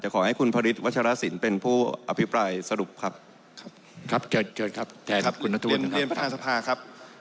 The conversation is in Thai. จะขอให้คุณภฤทธิ์วัชรสินทร์เป็นผู้อภิปายสรุปครับ